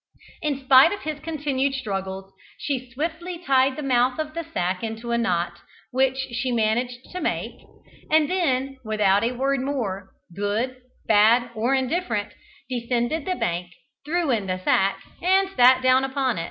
In spite of his continued struggles, she swiftly tied the mouth of the sack in a knot, which she managed to make; and then, without a word more, good, bad, or indifferent, descended the bank, threw in the sack, and sat down upon it.